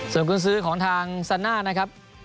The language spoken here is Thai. ส่วนคุณซื้อของทางซาน่านะครับ